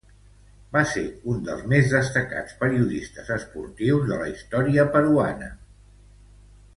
Va ser un dels més destacats periodistes esportius de la història peruana.